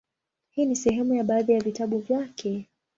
Hii ni sehemu ya baadhi ya vitabu vyake;